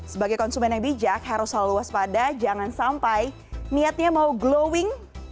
sebagai konsumen yang bijak harus selalu waspada jangan sampai niatnya mau glowing